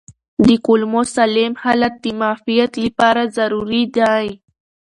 د کولمو سالم حالت د معافیت لپاره ضروري دی.